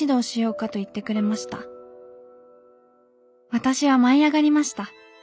私は舞いあがりました。